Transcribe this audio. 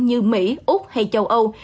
như mỹ úc hay châu âu